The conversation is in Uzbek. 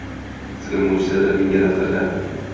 Sizga mo»jizadir – menga daftarda